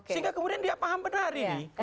sehingga kemudian dia paham benar ini